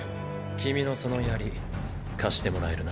君のその槍貸してもらえるな？